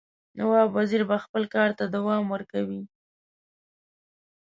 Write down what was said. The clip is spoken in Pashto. نواب وزیر به خپل کارته دوام ورکوي.